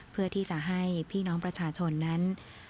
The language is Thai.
เพื่อที่จะให้พี่น้องประชาชนนั้น